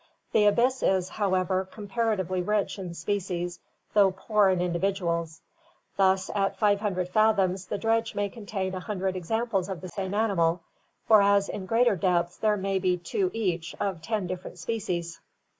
The abyss is, however, comparatively rich in species though poor in individuals. Thus at 500 fathoms the dredge may contain a hundred examples of the same animal, whereas in greater depths there may be two each of ten different species.